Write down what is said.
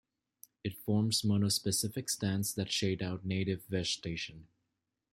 It forms monospecific stands that shade out native vegetation.